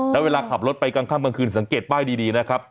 อ๋อแต่เวลาขับรถไปก่อนข้างบางคืนสังเกตป้ายดีนะครับ